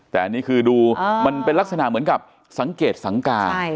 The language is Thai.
แต่นี้คือดูอ่ามันเป็นลักษณะเหมือนกับสังเกตสังการใช่ใช่